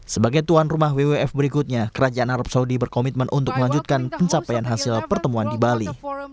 sebagai tuan rumah wwf berikutnya kerajaan arab saudi berkomitmen untuk melanjutkan pencapaian hasil pertemuan di bali